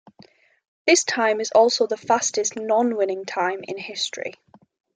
This time is also the fastest non-winning time in history.